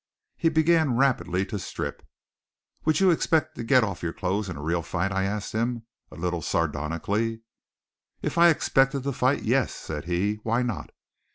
He began rapidly to strip. "Would you expect to get off your clothes in a real fight?" I asked him a little sardonically. "If I expected to fight, yes!" said he. "Why not?